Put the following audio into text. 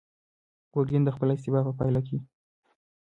ګورګین د خپل استبداد په پایله کې خپل ژوند له لاسه ورکړ.